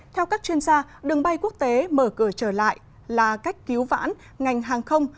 theo các chuyên gia đường bay quốc tế mở cửa trở lại là cách cứu vãn ngành hàng không